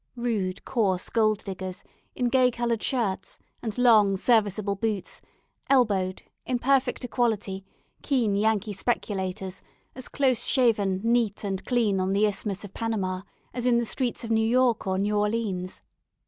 Rude, coarse gold diggers, in gay coloured shirts, and long, serviceable boots, elbowed, in perfect equality, keen Yankee speculators, as close shaven, neat, and clean on the Isthmus of Panama as in the streets of New York or New Orleans.